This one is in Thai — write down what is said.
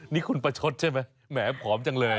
นี่คุณโปะชดใช่มั้ยเม่พอมจังเลย